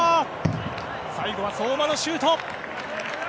最後は相馬のシュート。